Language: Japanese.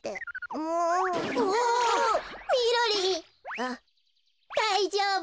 あっだいじょうぶ。